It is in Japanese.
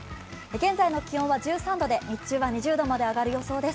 現在の気温は１３度で日中は２０度まで上がる予想です。